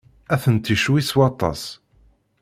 Atenti ccwi s waṭas.